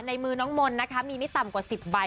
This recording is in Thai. ในมือน้องมนต์นะคะมีไม่ต่ำกว่า๑๐ใบ